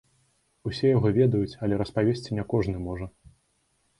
Усе яго ведаюць, але распавесці не кожны можа.